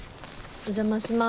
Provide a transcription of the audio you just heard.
お邪魔します。